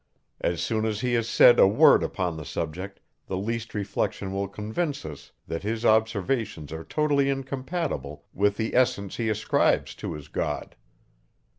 As soon as he has said a word upon the subject, the least reflection will convince us, that his observations are totally incompatible with the essence he ascribes to his God.